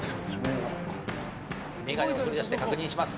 眼鏡を取り出して確認します。